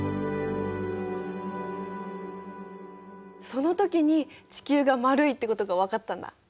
その時に地球が丸いってことがわかったんだ。